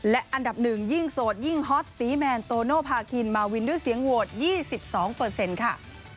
และอันดับ๑ยิ่งโสดยิ่งฮอตตีแมนโตโนภาคินมาวินด้วยเสียงโหวต๒๒ค่ะ